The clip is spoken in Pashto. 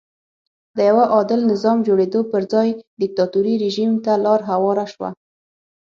د یوه عادل نظام جوړېدو پر ځای دیکتاتوري رژیم ته لار هواره شوه.